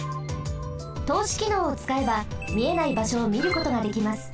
とうしきのうをつかえばみえないばしょをみることができます。